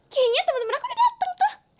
kayaknya temen temen aku udah dateng tuh